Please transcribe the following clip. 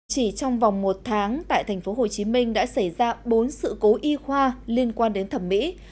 chỉ trong vòng một tháng tại tp hcm đã xảy ra bốn sự cố y khoa liên quan đến thẩm mỹ